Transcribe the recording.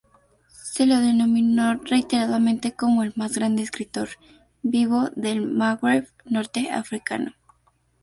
Se lo denominó reiteradamente como el más grande escritor, vivo, del Maghreb, norte africano.